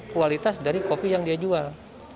kualitas dari kopi yang dia jual